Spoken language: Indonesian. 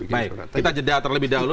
baik kita jeda terlebih dahulu